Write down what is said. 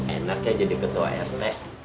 enak ya jadi ketua rt